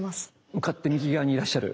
向かって右側にいらっしゃる？